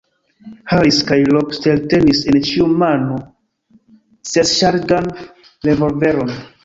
Harris kaj Lobster tenis en ĉiu mano sesŝargan revolveron.